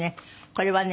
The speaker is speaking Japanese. これはね